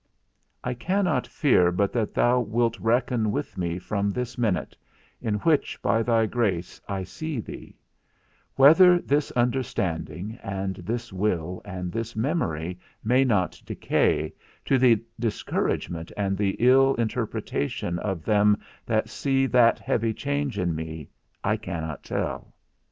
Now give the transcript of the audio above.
I cannot fear but that thou wilt reckon with me from this minute, in which, by thy grace, I see thee; whether this understanding, and this will, and this memory may not decay, to the discouragement and the ill interpretation of them that see that heavy change in me, I cannot tell.